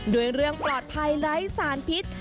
โดยเรื่องปลอดภัยและให้สารพิษ